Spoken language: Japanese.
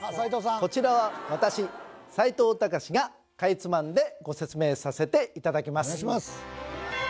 こちらは私齋藤孝がかいつまんでご説明させていただきます